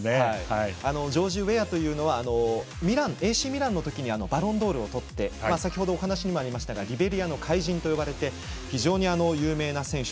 ジョージ・ウェアというのはＡＣミランの時にバロンドールをとって先ほどお話にもありましたがリベリアの怪人と呼ばれて非常に有名な選手。